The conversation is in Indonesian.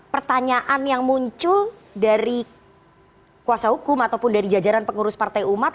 pertanyaan yang muncul dari kuasa hukum ataupun dari jajaran pengurus partai umat